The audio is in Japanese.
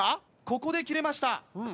ここで切れました。